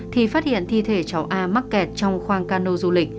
thì phát hiện thi thể cháu a mắc kẹt trong khoang cánh